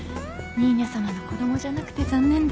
ニーニャさまの子供じゃなくて残念です。